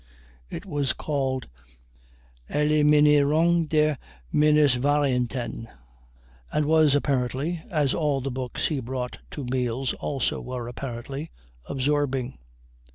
It was called Eliminierung der Minusvarianten, and was apparently, as all the books he brought to meals also were apparently, absorbing.